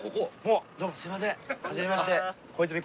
あっどうもすいません。